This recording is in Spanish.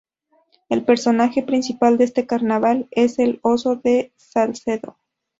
El personaje principal de este carnaval es el oso de Salcedo.